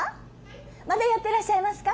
まだやってらっしゃいますか？